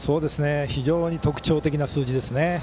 非常に特徴的な数字ですね。